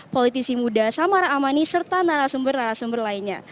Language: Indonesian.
politisi muda samara amani serta narasumber narasumber lainnya